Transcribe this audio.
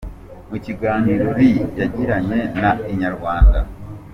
Mu kiganiro Lee yagiranye na Inyarwanda.